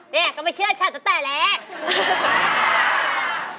เนี่ยก็ไม่เชื่อฉันตั้งแต่แรก